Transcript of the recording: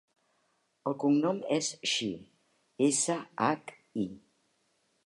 El cognom és Shi: essa, hac, i.